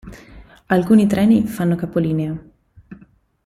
Alcuni treni fanno capolinea.